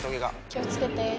気をつけて。